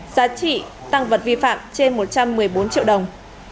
giá trị tăng vật vi phạm trên một trăm một mươi bốn triệu đồng